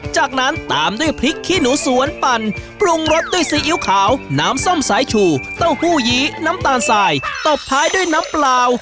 จากนั้นตามด้วยพริกขี้หนูสวนปั่นปรุงรสด้วยซีอิ๊วขาวน้ำส้มสายชูเต้าหู้ยี้น้ำตาลสายตบท้ายด้วยน้ำเปล่า